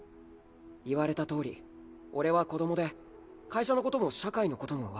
言われたとおり俺は子供で会社のことも社会のことも分からない。